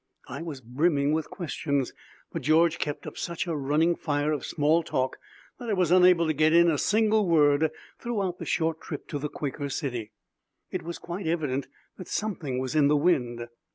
I was brimming with questions, but George kept up such a running fire of small talk that I was unable to get in a single word throughout the short trip to the Quaker City. It was quite evident that something was in the wind.